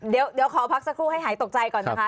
เดี๋ยวขอพักสักครู่ให้หายตกใจก่อนนะคะ